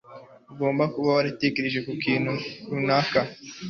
Ugomba kuba waratekereje ku kintu runaka.